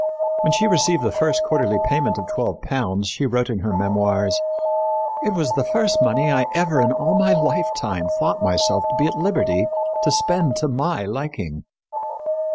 When she received the first quarterly payment of twelve pounds she wrote in her memoirs, "It was the first money I ever in all my lifetime thought myself to be at liberty to spend to my liking."